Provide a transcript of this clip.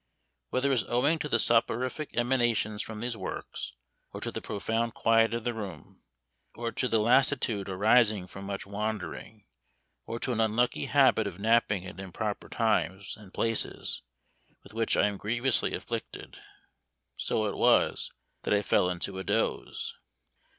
Whether it was owing to the soporific emanations for these works; or to the profound quiet of the room; or to the lassitude arising from much wandering; or to an unlucky habit of napping at improper times and places, with which I am grievously afflicted, so it was, that I fell into a doze.